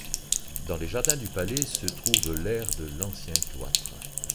Dans les jardins du Palais se trouve l’aire de l'ancien cloître.